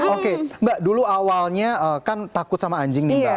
oke mbak dulu awalnya kan takut sama anjing nih mbak